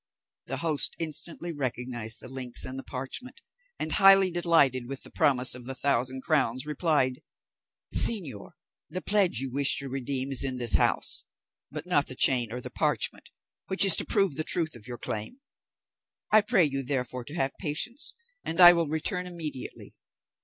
The host instantly recognised the links and the parchment, and highly delighted with the promise of the thousand crowns, replied, "Señor, the pledge you wish to redeem is in this house, but not the chain or the parchment which is to prove the truth of your claim; I pray you therefore to have patience, and I will return immediately."